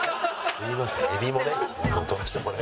すみません。